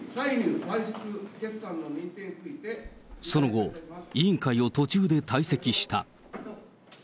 その後、委員会を途中で退席した。